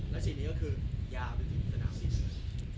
และสิ่งนี้ก็คือยาวไปถึงสนามบิน